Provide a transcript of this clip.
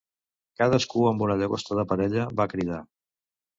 "Cadascú amb una llagosta de parella", va cridar.